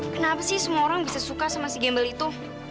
kenapa sih semua orang bisa suka sama si gembel itu